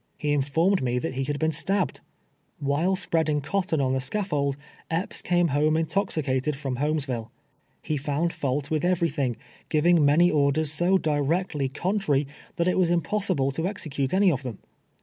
He informed me that he had been stabbed ! While spreading cotton on the scaf fold, Epps came home intoxicated from Ilolmesville. He found fault with every thing, giving many orders so directly contrary that it was impossible to execute any of them.